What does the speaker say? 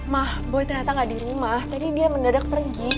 mah boy ternyata gak di rumah jadi dia mendadak pergi